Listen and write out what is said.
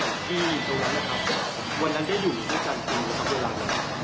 ที่แบบที่ตรงนั้นนะครับวันนั้นได้อยู่ในพระจันทรีย์นะครับ